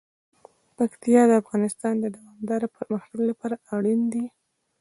پکتیا د افغانستان د دوامداره پرمختګ لپاره اړین دي.